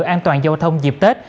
an toàn giao thông dịp tết